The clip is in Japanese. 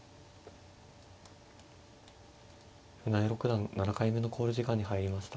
船江六段７回目の考慮時間に入りました。